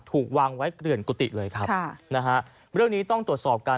ถูกวางไว้เกลื่อนกุฏิเลยครับค่ะนะฮะเรื่องนี้ต้องตรวจสอบกัน